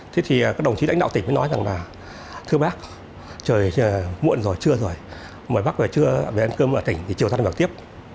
thế thì các đồng chí lãnh đạo tỉnh mới nói rằng là thưa bác trời muộn rồi trưa rồi mời bác về trưa về ăn cơm ở tỉnh thì chiều ra mình vào tiếp